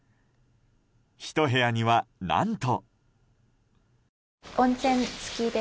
１部屋には、何と。